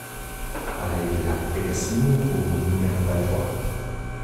Allée de la Bécassine au numéro vingt-trois